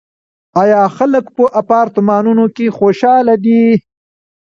آیا خلک په اپارتمانونو کې خوشحاله دي؟